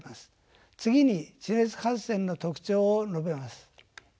次に地熱発電の特徴を述べます。